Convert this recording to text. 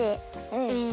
うん。